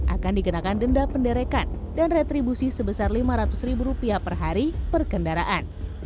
akan dikenakan denda penderekan dan retribusi sebesar lima ratus ribu rupiah per hari per kendaraan